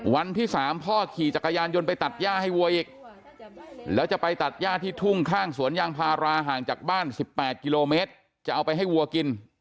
วันที่๓พ่อขี่จักรยานยนต์ไปตัดย่าให้วัวอีกแล้วจะไปตัดย่าที่ทุ่งข้างสวนยางพาราห่างจากบ้าน๑๘กิโลเมตรจะเอาไปให้วัวกิน